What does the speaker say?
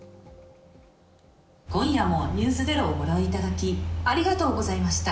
今夜もｎｅｗｓｚｅｒｏをご覧いただき、ありがとうございました。